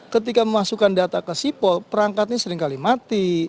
ketika memasukkan data ke sipol perangkat ini sering kali mati